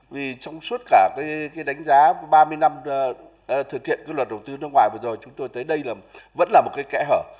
vì trong suốt cả đánh giá ba mươi năm thực hiện luật đầu tư nước ngoài chúng tôi thấy đây vẫn là một kẻ hở